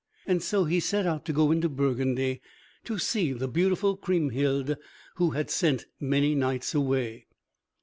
So he set out to go into Burgundy to see the beautiful Kriemhild who had sent many knights away.